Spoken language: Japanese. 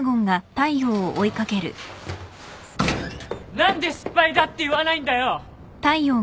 何で失敗だって言わないんだよ！